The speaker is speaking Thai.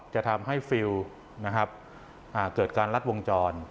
จะทำให้ฟิลเกิดการลัดวงจร